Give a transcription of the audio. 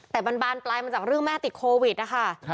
แต่มันบานปลายมาจากเรื่องแม่ติดโควิดนะคะ